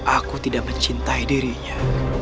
aku tidak mencintai dirinya